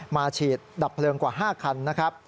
ฉีดดับเพลิงกว่า๕คันนะครับ